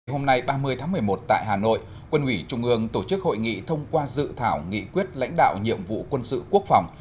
hôm nay ba mươi tháng một mươi một tại hà nội quân ủy trung ương tổ chức hội nghị thông qua dự thảo nghị quyết lãnh đạo nhiệm vụ quân sự quốc phòng